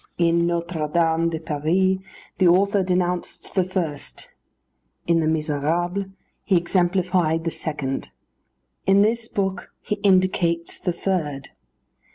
In Notre Dame de Paris the author denounced the first; in the Misérables he exemplified the second; in this book he indicates the third.